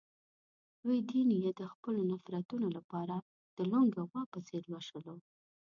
دوی دین یې د خپلو نفرتونو لپاره د لُنګې غوا په څېر لوشلو.